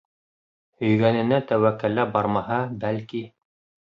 Һөйгәненә тәүәккәлләп бармаһа, бәлки...